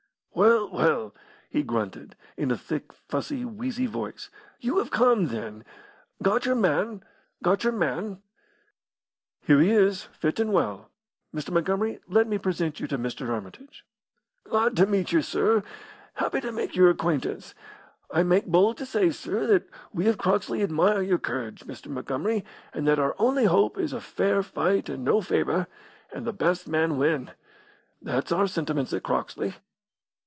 "Well, well," he grunted, in a thick, fussy, wheezy voice, "you have come, then. Got your man? Got your man? "Here he is, fit and well. Mr. Montgomery, let me present you to Mr. Armitage." "Glad to meet you, sir. Happy to make your acquaintance. I make bold to say, sir, that we of Croxley admire your courage, Mr. Montgomery, and that our only hope is a fair fight and no favour, and the best man win. That's our sentiments at Croxley."